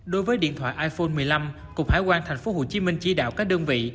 đối với điện thoại iphone một mươi năm cục hải quan tp hcm chỉ đạo các đơn vị